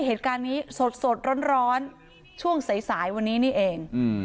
เหตุการณ์นี้สดสดร้อนร้อนช่วงใสวันนี้นี่เองอืม